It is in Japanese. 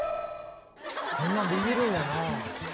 こんなビビるんやなあ。